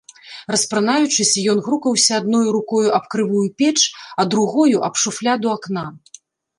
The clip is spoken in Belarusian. Распранаючыся, ён грукаўся адною рукою аб крывую печ, а другою аб шуфляду акна.